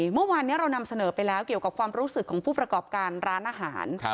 เมื่อวานนี้เรานำเสนอไปแล้วเกี่ยวกับความรู้สึกของผู้ประกอบการร้านอาหาร